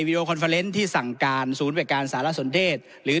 วีดีโอคอนเฟอร์เตอร์ที่สั่งการศูนย์ประหลาดสาระสนเทศหรือ